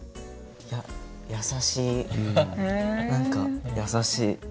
優しい何か優しい。